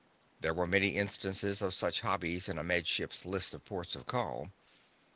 There were many instances of such hobbies in a Med Ship's list of ports of call.